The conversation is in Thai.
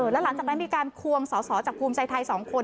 แล้วหลังจากนั้นมีการควงสอสอจากภูมิใจไทย๒คน